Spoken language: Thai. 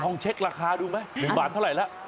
น้องเช็คราคาดูไหม๑บาทเท่าไรล่ะ